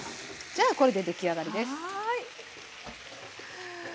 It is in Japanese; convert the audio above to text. じゃあこれで出来上がりです。